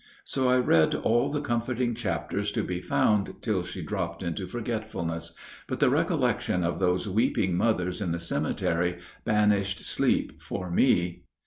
So I read all the comforting chapters to be found till she dropped into forgetfulness, but the recollection of those weeping mothers in the cemetery banished sleep for me.